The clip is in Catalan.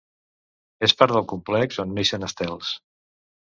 És part del complex on neixen estels.